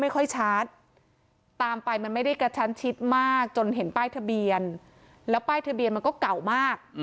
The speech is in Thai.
คิดมากจนเห็นป้ายทะเบียนแล้วป้ายทะเบียนมันก็เก่ามาก